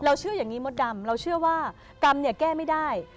เชื่ออย่างนี้มดดำเราเชื่อว่ากรรมเนี่ยแก้ไม่ได้